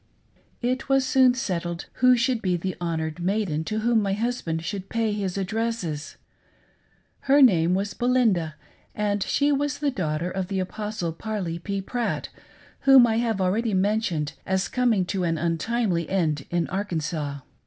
It was soon settled who should be the honored maiden to whom my husband should pay his addresses. Her name was Belinda, and she was thef daughter of the Apostle Parley P. Pratt, whom I have already mentioned as coming to an untimely end in Arkansas.